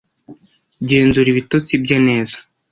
Genzura ibitotsi bye neza